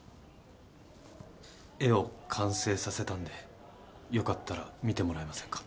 絵を完成させたんでよかったら見てもらえませんか。